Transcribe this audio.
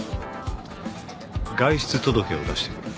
外出届を出してくる。